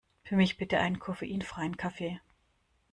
Für mich bitte einen koffeinfreien Kaffee!